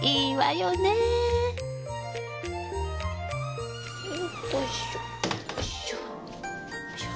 よいしょ。